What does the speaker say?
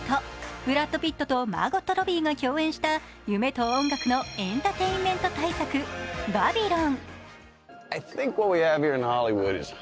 ブラッド・ピットとマーゴット・ロビーが共演した夢と音楽のエンターテインメント大作「バビロン」。